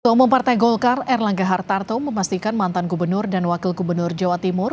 ketua umum partai golkar erlangga hartarto memastikan mantan gubernur dan wakil gubernur jawa timur